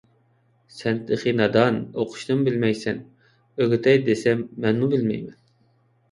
سەن تېخى نادان، ئوقۇشنىمۇ بىلمەيسەن. ئۆگىتەي دېسەم مەنمۇ بىلمەيمەن.